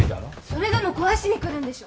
それでも壊しに来るんでしょ！